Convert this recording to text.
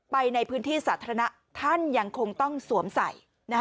ไปในพื้นที่สาธารณะท่านยังคงต้องสวมใส่